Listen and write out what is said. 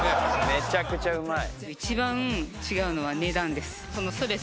めちゃくちゃうまい。